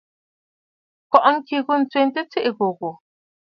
Kó ŋkì ghû ǹtsuʼutə ntsù gho gho.